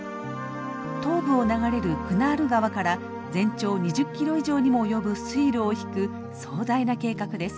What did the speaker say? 東部を流れるクナール川から全長２０キロ以上にも及ぶ水路を引く壮大な計画です。